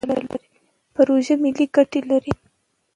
پروژه ملي ګټه ده.